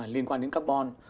liên quan đến carbon